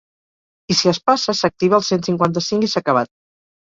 I si es passa, s’activa el cent cinquanta-cinc i s’ha acabat.